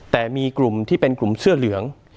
แต่มีกลุ่มที่เป็นกลุ่มเสื้อเหลือง